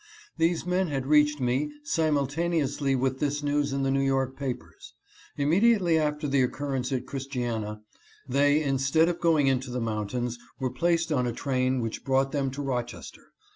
These men had reached me simultaneously with this news in the New York papers. Immediately after the occurrence at Christiana, they, instead of going into the mountains, were placed on a train which brought them to Rochester.